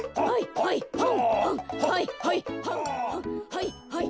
はいはい。